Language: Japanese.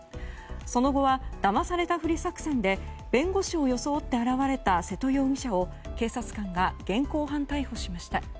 その後はだまされたふり作戦で弁護士を装って現れた瀬戸容疑者を警察官が現行犯逮捕しました。